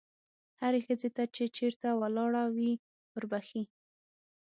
هرې ښځې ته چې چېرته ولاړه وي وربښې.